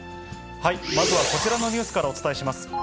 まずはこちらのニュースからお伝えします。